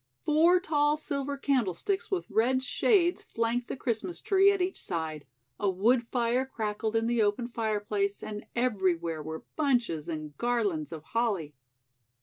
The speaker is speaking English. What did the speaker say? Four tall silver candlesticks with red shades flanked the Christmas tree at each side; a wood fire crackled in the open fireplace and everywhere were bunches and garlands of holly.